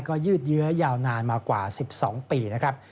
ก็ยืดเยื้อยาวนานมากว่า๑๒ปีนะครับ